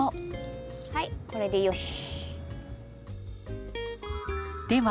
はいこれでよし。